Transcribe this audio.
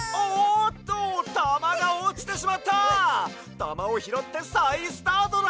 たまをひろってさいスタートだ！